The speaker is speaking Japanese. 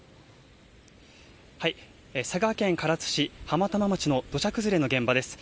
佐賀県唐津市浜玉町の土砂崩れの現場です。